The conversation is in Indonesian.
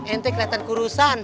entek keliatan kurusan